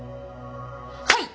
はい！